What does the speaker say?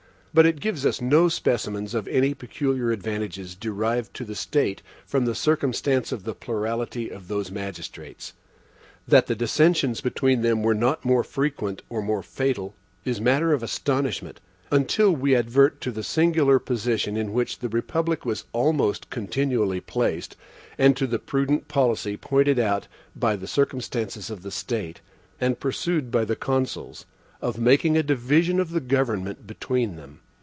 But it gives us no specimens of any peculiar advantages derived to the state from the circumstance of the plurality of those magistrates. That the dissensions between them were not more frequent or more fatal, is a matter of astonishment, until we advert to the singular position in which the republic was almost continually placed, and to the prudent policy pointed out by the circumstances of the state, and pursued by the Consuls, of making a division of the government between them.